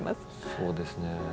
そうですね。